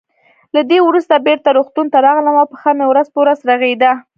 له دې وروسته بېرته روغتون ته راغلم او پښه مې ورځ په ورځ رغېده.